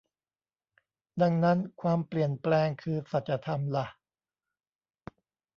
ดังนั้นความเปลี่ยนแปลงคือสัจธรรมล่ะ